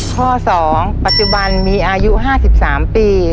ข้อ๒ปัจจุบันมีอายุ๕๓ปี